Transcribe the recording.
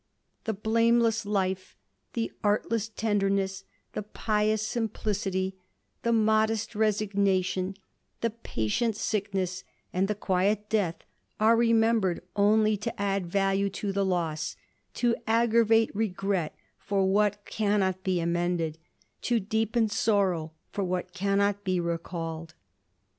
The blameless life, the artless tenderness, the pious simplicity, the modest resignation, the patient sickness, and the quiet death, are remembered only to add value to the loss, io aggravate regret for what cannot be amended, to deepen sorrow for what cannot be recalled.